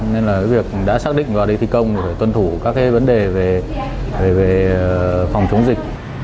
nên là việc đã xác định vào đây thi công phải tuân thủ các cái vấn đề về phòng chống dịch